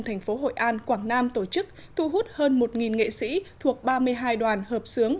thành phố hội an quảng nam tổ chức thu hút hơn một nghệ sĩ thuộc ba mươi hai đoàn hợp sướng